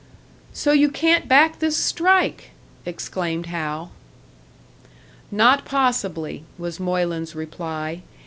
"So you can't back this strike!" exclaimed Hal. Not possibly, was Moylan's reply.